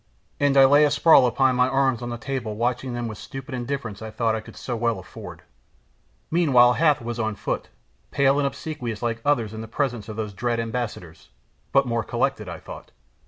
And I lay asprawl upon my arms on the table watching them with the stupid indifference I thought I could so well afford. Meanwhile Hath was on foot, pale and obsequious like others in the presence of those dread ambassadors, but more collected, I thought.